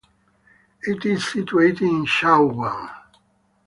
It is situated in Shaoguan.